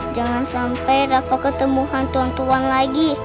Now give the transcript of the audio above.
jangan sampai rafa ketemu hantu hantu an lagi